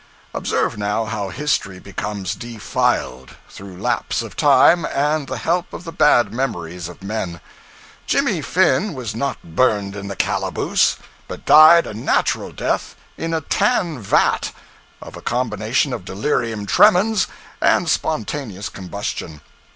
Observe, now, how history becomes defiled, through lapse of time and the help of the bad memories of men. Jimmy Finn was not burned in the calaboose, but died a natural death in a tan vat, of a combination of delirium tremens and spontaneous combustion.